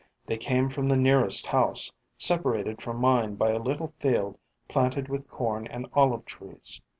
They came from the nearest house, separated from mine by a little field planted with corn and olive trees.